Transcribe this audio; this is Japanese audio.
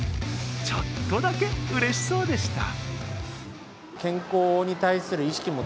ちょっとだけ、うれしそうでした。